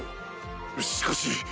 しかし。